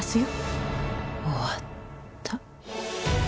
終わった。